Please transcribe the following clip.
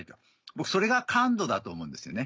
僕それが「感度」だと思うんですよね。